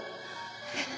えっ？